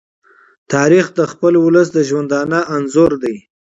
تاریخ د خپل ولس د ژوندانه انځور دی.